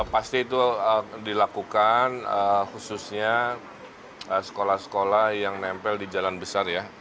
pasti itu dilakukan khususnya sekolah sekolah yang nempel di jalan besar ya